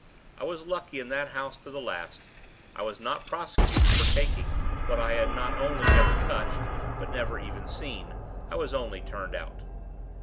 I was lucky in that house to the last; I was not prosecuted for taking what I had not only never touched, but never even seen: I was only turned out.